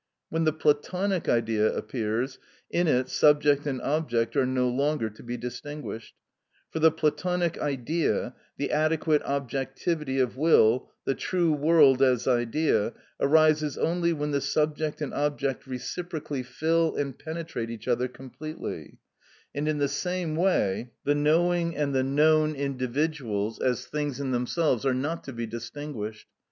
When the Platonic Idea appears, in it subject and object are no longer to be distinguished, for the Platonic Idea, the adequate objectivity of will, the true world as idea, arises only when the subject and object reciprocally fill and penetrate each other completely; and in the same way the knowing and the known individuals, as things in themselves, are not to be distinguished.